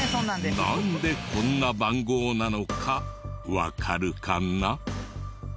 なんでこんな番号なのかわかるかな？